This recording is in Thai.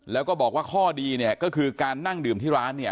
แล้วก็บอกว่าข้อดีก็คือการนั่งดื่มที่ร้าน